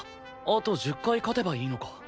あと１０回勝てばいいのか。